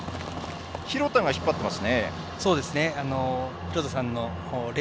広田が引っ張っています。